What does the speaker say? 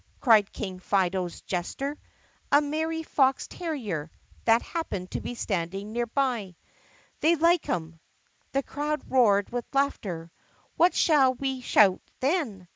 cried King Fido's jester — a merry foxy terrier — that happened to be standing near by. "They like 'em!" The crowd roared with laughter. "What shall we shout then?"